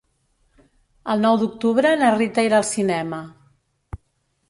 El nou d'octubre na Rita irà al cinema.